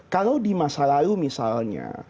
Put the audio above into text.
kalau di masa lalu misalnya